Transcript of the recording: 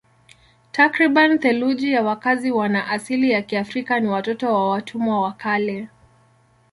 Takriban theluthi ya wakazi wana asili ya Kiafrika ni watoto wa watumwa wa kale.